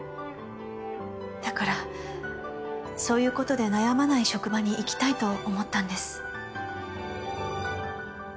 だからそういうことで悩まない職場にいきたいと思ったんです。